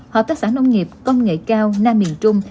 hợp tác xã nông nghiệp công nghệ cao nam miền trung